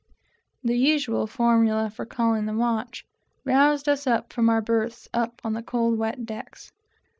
(the usual formula of calling the watch), roused us up from our berths upon the cold, wet decks.